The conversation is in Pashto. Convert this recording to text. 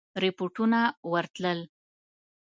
رپوټونه ورتلل.